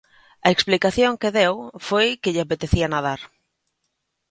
A explicación que deu foi que lle apetecía nadar.